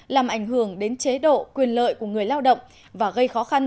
làm ảnh hưởng đến chế độ quyền lợi của người lao động và gây khó khăn